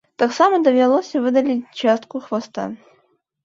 Таксама давялося выдаліць частку хваста.